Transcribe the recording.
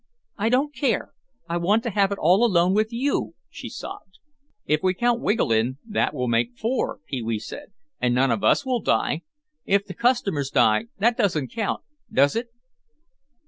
"I don't care, I want to have it all alone with you," she sobbed. "If we count Wiggle in that will make four," Pee wee said, "and none of us will die. If the customers die that doesn't count, does it?"